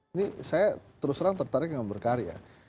ini saya terus terang tertarik dengan berkarya